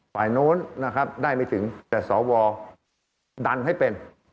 ฝ่ายโน้นได้ไม่ถึงแต่สวดันให้เป็น